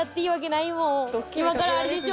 今からあれでしょ？